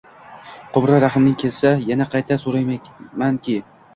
Qumri, rahming kelsa yana qayta so’raymanki